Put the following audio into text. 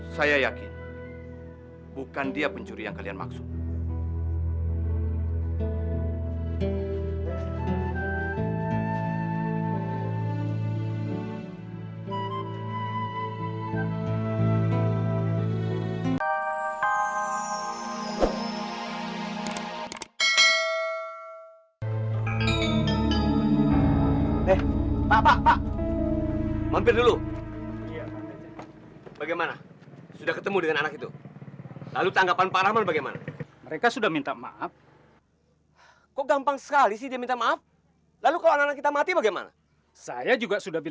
sampai jumpa di video selanjutnya